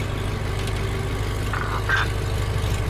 男女共同参与局是日本内阁府的内部部局之一。